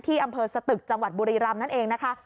อำเภอสตึกจังหวัดบุรีรำนั่นเองนะคะ